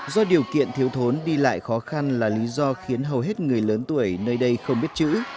do điều kiện thiếu thốn đi lại khó khăn là lý do khiến hầu hết người lớn tuổi nơi đây không biết chữ